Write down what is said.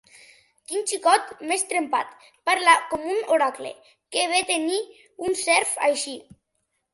Quin xicot més trempat! Parla com un oracle. Que bé tenir un serf així!